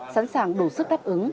sẵn sàng đủ sức đáp ứng